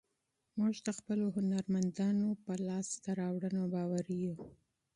موږ د خپلو هنرمندانو په لاسته راوړنو باوري یو.